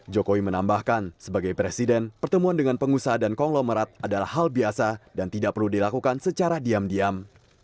jokowi menambahkan sebagai presiden pertemuan dengan pengusaha dan konglomerat adalah hal biasa dan tidak perlu dilakukan secara diam diam